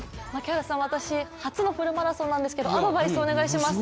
槙原さん、私、初のフルマラソンなんですけどアドバイスお願いします。